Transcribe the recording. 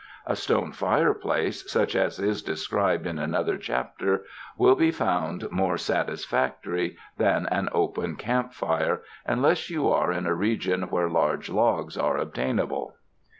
A stone fireplace such as is de scribed in another chapter,* will be found more sat isfactory tlian an open camp fire, unless you are in a region where large logs are obtainable.